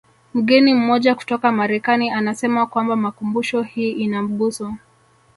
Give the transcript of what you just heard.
Mgeni mmoja kutoka Marekani anasema kwamba makumbusho hii ina mguso